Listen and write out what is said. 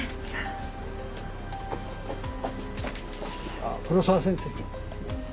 あっ黒沢先生。